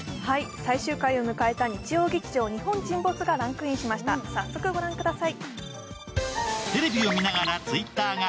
最終回を迎えた日曜劇場「日本沈没」がランクインしました、早速御覧ください。